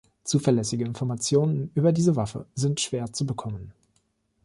Zuverlässige Informationen über diese Waffe sind schwer zu bekommen.